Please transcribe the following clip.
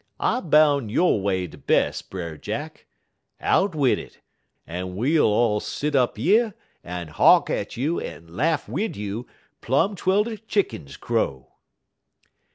I boun' yo' way de bes', Brer Jack. Out wid it en we ull set up yer, en hark at you en laff wid you plum twel de chick'ns crow."